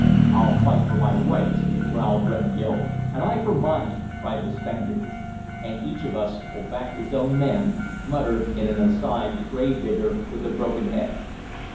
"I'll fight for my rights," growled Red Gil. "And I for mine," cried the Spaniard. "And each of us'll back his own man," muttered in an aside the gravedigger with the broken head.